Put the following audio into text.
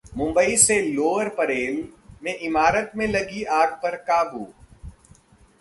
मुंबई के लोअर परेल में इमारत में लगी आग पर काबू